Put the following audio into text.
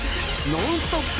ノンストップ！